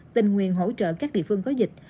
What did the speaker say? tình nguyện hỗ trợ các địa phương có dịch